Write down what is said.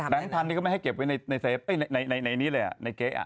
แบงค์พันที่ก็ไม่ให้เก็บไว้ในเก๊ะ